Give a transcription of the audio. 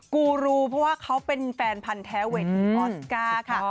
กูรูเพราะว่าเขาเป็นแฟนพันธ์แท้เวทีออสการ์ค่ะ